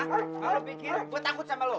kamu bikin gue takut sama lo